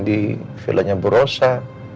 di vilanya bu rosa